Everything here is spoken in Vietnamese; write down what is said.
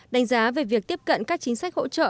đánh giá về việc tiếp cận các chính sách hỗ trợ